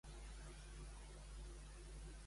Què es cerca en el film?